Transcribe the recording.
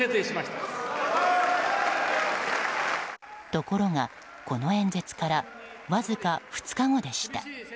ところが、この演説からわずか２日後でした。